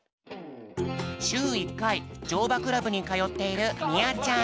しゅう１かいじょうばクラブにかよっているみあちゃん。